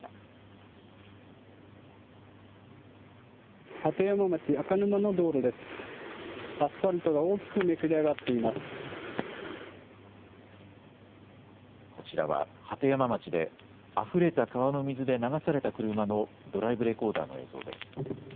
こちらは鳩山町であふれた川の水で流された車のドライブレコーダーの映像です。